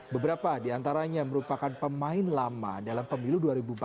beberapa di antaranya merupakan pemain lama dalam pemilu dua ribu empat belas